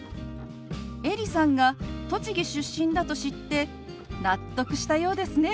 エリさんが栃木出身だと知って納得したようですね。